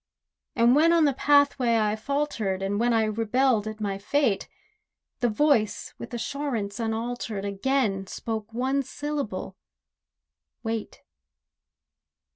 And when on the pathway I faltered, And when I rebelled at my fate, The Voice with assurance unaltered, Again spoke one syllable—"Wait."